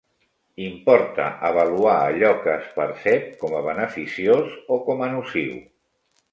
Importa avaluar allò que es percep com a beneficiós o com a nociu.